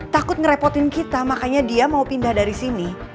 takut ngerepotin kita makanya dia mau pindah dari sini